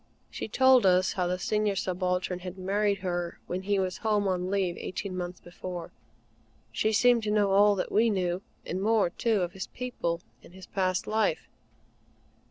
She told us how the Senior Subaltern had married her when he was Home on leave eighteen months before; and she seemed to know all that we knew, and more too, of his people and his past life.